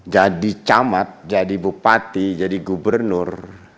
jadi camat jadi bupati jadi gubernur